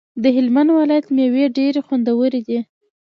د هلمند ولایت ميوی ډيری خوندوری دی